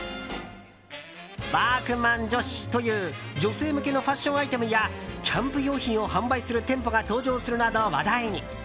ワークマン女子という女性向けのファッションアイテムやキャンプ用品を販売する店舗が登場するなど、話題に。